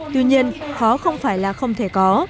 tuy nhiên khó không phải là không thể có